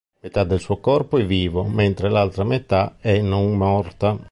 Metà del suo corpo è vivo, mentre l'altra metà è non-morta.